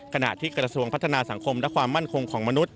ขณะที่กระทรวงพัฒนาสังคมและความมั่นคงของมนุษย